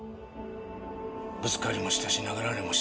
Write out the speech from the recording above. ぶつかりもしたし殴られもした。